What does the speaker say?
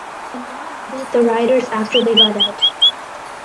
The mob beat the riders after they got out.